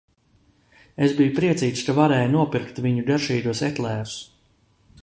Es biju priecīgs, ka varēju nopirkt viņu garšīgos eklērus.